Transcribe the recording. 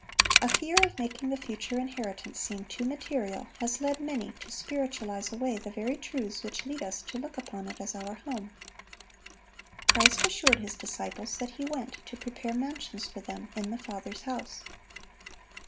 (1178) A fear of making the future inheritance seem too material has led many to spiritualize away the very truths which lead us to look upon it as our home. Christ assured His disciples that He went to prepare mansions for them in the Father's house.